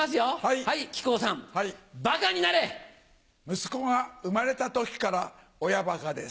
息子が生まれた時から親ばかです。